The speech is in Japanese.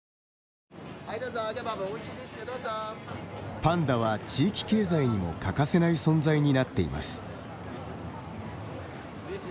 パンダは地域経済にも欠かせない存在になっています。